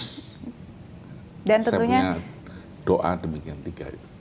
saya punya doa demikian tiga itu